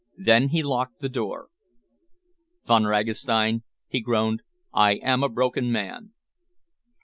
Then he locked the door. "Von Ragastein," he groaned, "I am a broken man!"